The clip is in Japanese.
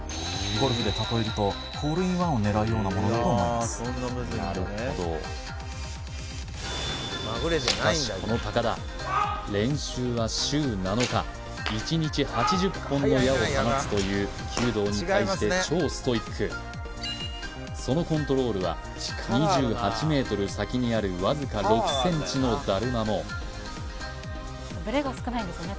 ゴルフで例えるとホールインワンを狙うようなものだと思いますなるほどしかしこの高田練習は週７日１日８０本の矢を放つという弓道に対して超ストイックそのコントロールは２８ｍ先にあるわずか６ｃｍのだるまもブレが少ないんですよね